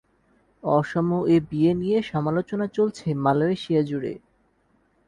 অসম এ বিয়ে নিয়ে সমালোচনা চলছে মালয়েশিয়াজুড়ে।